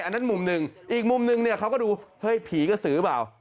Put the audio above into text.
อันนั้นมุมหนึ่งอีกมุมนึงเนี่ยเขาก็ดูเฮ้ยผีกระสือเปล่า